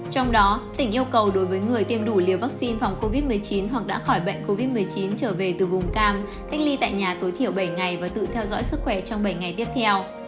trong đó tỉnh yêu cầu đối với người tiêm đủ liều vaccine phòng covid một mươi chín hoặc đã khỏi bệnh covid một mươi chín trở về từ vùng cam cách ly tại nhà tối thiểu bảy ngày và tự theo dõi sức khỏe trong bảy ngày tiếp theo